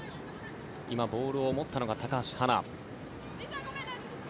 今、ボールを持ったのが高橋はな。